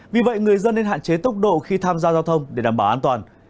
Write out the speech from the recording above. vì vậy người dân nên hạn chế tốc độ khi tham gia giao thông để đảm bảo an toàn